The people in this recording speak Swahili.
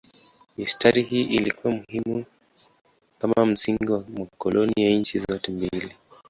Mistari hii ilikuwa muhimu kama msingi wa makoloni ya nchi zote mbili.